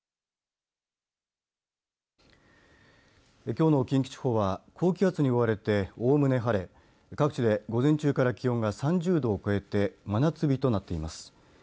きょうの近畿地方は高気圧に覆われておおむね晴れ各地で午前中から気温が３０度を超えて真夏日となっています。